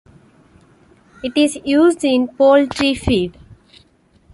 It is used in poultry feed.